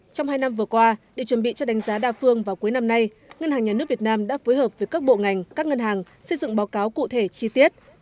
trong hai năm vừa qua để chuẩn bị cho đánh giá đa phương vào cuối năm nay ngân hàng nhà nước việt nam đã phối hợp với các bộ ngành các ngân hàng xây dựng báo cáo cụ thể chi tiết